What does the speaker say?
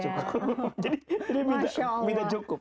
jadi minta cukup